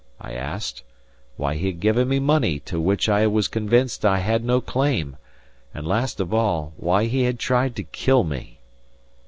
I asked; why he had given me money to which I was convinced I had no claim; and, last of all, why he had tried to kill me.